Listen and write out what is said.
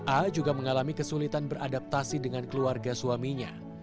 a juga mengalami kesulitan beradaptasi dengan keluarga suaminya